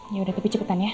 yaudah tapi cepetan ya